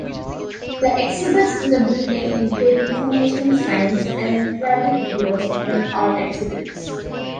The exhibits in the building include informational signs, an interactive kiosk, and art exhibits.